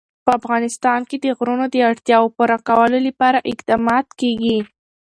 په افغانستان کې د غرونه د اړتیاوو پوره کولو لپاره اقدامات کېږي.